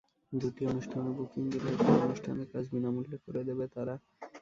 দুটি অনুষ্ঠানের বুকিং দিলে একটি অনুষ্ঠানের কাজ বিনা মূল্যে করে দেবে তারা।